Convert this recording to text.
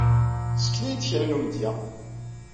Ssken-iyi-d kra n umedya.